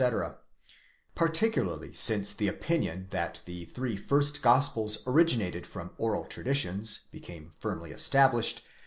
6 Particularly since the opinion, that the three first Gospels originated from oral traditions, became firmly established